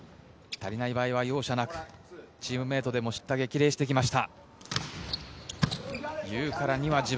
足りない場合は容赦なくチームメートでも叱咤激励してきました。